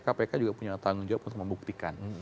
kpk juga punya tanggung jawab untuk membuktikan